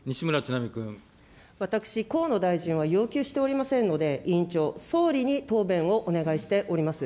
私、河野大臣は要求しておりませんので、委員長、総理に答弁をお願いしております。